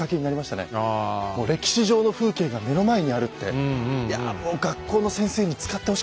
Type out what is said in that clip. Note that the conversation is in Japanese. もう歴史上の風景が目の前にあるっていやもう学校の先生に使ってほしかったです。